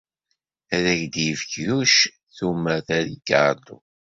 Ad ak-d-yefk Yuc tumert a Ricardo.